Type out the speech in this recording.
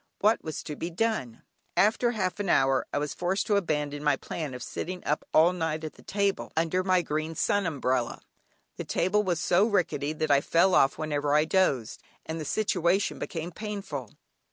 What was to be done? After half an hour, I was forced to abandon my plan of sitting up all night on the table, under my green sun umbrella; the table was so rickety that I fell off whenever I dozed, and the situation became painful.